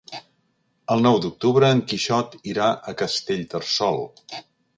El nou d'octubre en Quixot irà a Castellterçol.